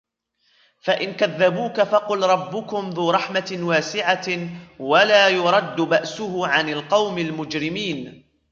فَإِنْ كَذَّبُوكَ فَقُلْ رَبُّكُمْ ذُو رَحْمَةٍ وَاسِعَةٍ وَلَا يُرَدُّ بَأْسُهُ عَنِ الْقَوْمِ الْمُجْرِمِينَ